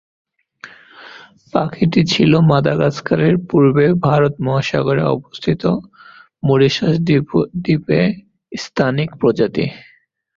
পাখিটি ছিল মাদাগাস্কারের পূর্বে ভারত মহাসাগরে অবস্থিত মরিশাস দ্বীপে স্থানিক প্রজাতি।